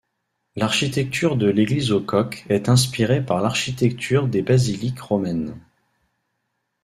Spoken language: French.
L'architecture de l'église au Coq est inspirée par l'architecture des basiliques romaines.